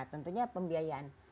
nah tentunya pembiayaan